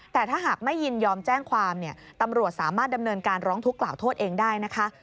แต่ถ้าหากไม่ยินยอมแจ้งความเนี่ยตำรวจสามารถดำเนินการร้องทุกข์กล่าวโทษเองได้นะคะ